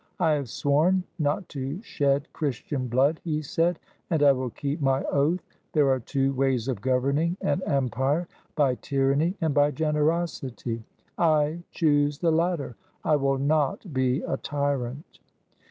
"I have sworn not to shed Christian blood," he said; "and I will keep my oath. There are two ways of governing an empire, — by tyranny and by generosity. I choose the latter. I will not be a tyrant."